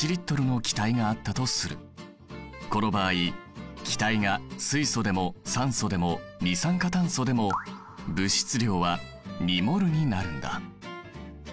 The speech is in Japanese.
この場合気体が水素でも酸素でも二酸化炭素でも物質量は２ｍｏｌになるんだ。